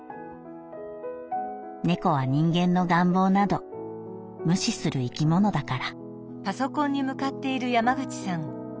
猫は人間の願望など無視する生き物だから」。